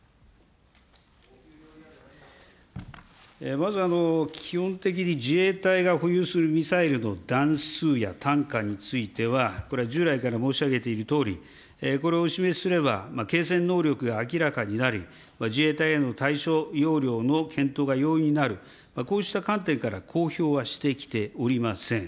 まず、基本的に自衛隊が保有するミサイルの弾数や単価については、これは従来から申し上げているとおり、これをお示しすれば、継戦能力が明らかになり、自衛隊へのたいしょようりょうの検討が容易になる、こうした観点から公表はしてきておりません。